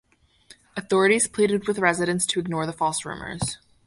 Authorities pleaded with residents to ignore the false rumors.